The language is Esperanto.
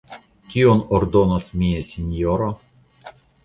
Kion ordonos mia sinjoro?